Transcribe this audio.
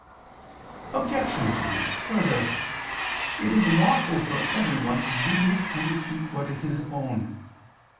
Obj. 2: Further, it is lawful for everyone to use and to keep what is his own.